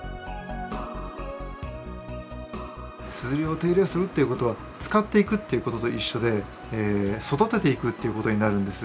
硯を手入れするっていう事は使っていくっていう事と一緒で育てていくっていう事になるんです。